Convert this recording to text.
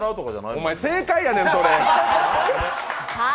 お前、正解やねん、それ。